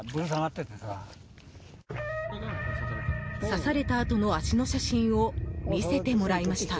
刺されたあとの足の写真を見せてもらいました。